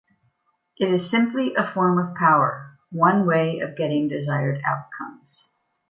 It is simply a form of power, one way of getting desired outcomes.